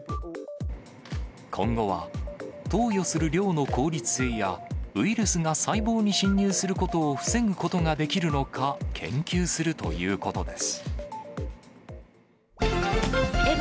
今後は、投与する量の効率性や、ウイルスが細胞に侵入することを防ぐことができるのか研究するということです。